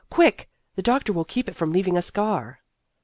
" Quick ! The doctor will keep it from leaving a scar."